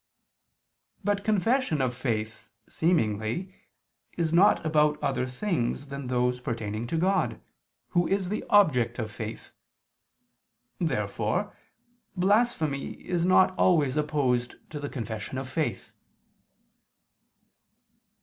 But confession of faith, seemingly, is not about other things than those pertaining to God, Who is the object of faith. Therefore blasphemy is not always opposed to the confession of faith.